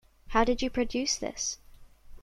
How did you produce this?